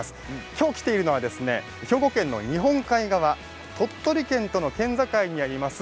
今日来ているのは兵庫県の日本海側鳥取県との県境にあります